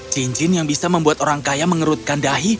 cincin yang bisa membuat orang kaya mengerutkan dahi